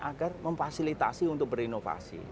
agar memfasilitasi untuk berinovasi